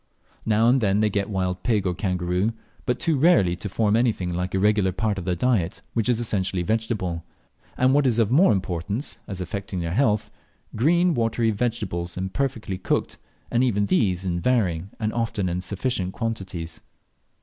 Now and then they get wild pig or kangaroo, but too rarely to form anything like a regular part of their diet, which is essentially vegetable; and what is of more importance, as affecting their health, green, watery vegetables, imperfectly cooked, and even these in varying and often in sufficient quantities.